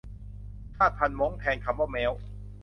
ชาติพันธุ์ม้ง แทนคำว่าแม้ว